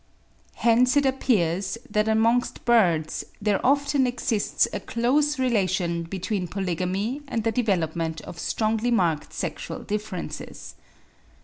Hence it appears that amongst birds there often exists a close relation between polygamy and the development of strongly marked sexual differences.